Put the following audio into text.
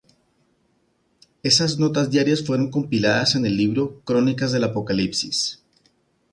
Esas notas diarias fueron compiladas en el libro "Crónicas del Apocalipsis".